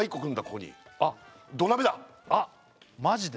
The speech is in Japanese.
ここにあっあっマジで？